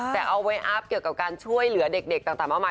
แต่เอาไว้อัพเกี่ยวกับการช่วยเหลือเด็กต่างมากมาย